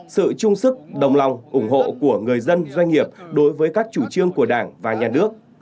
sự trung sức đồng lòng ủng hộ của người dân doanh nghiệp đối với các chủ trương của đảng và nhà nước